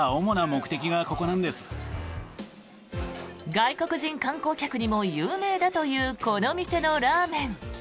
外国人観光客にも有名だというこの店のラーメン。